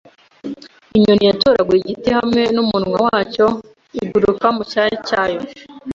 Inyoni yatoraguye igiti hamwe numunwa wacyo iguruka mucyari cyayo.